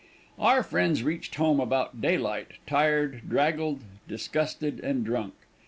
Our friends reached home about daylight, tired, draggled, disgusted, and drunk.